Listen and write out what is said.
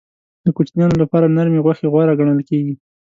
د کوچنیانو لپاره نرمې غوښې غوره ګڼل کېږي.